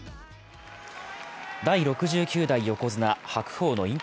第６９代横綱・白鵬の引退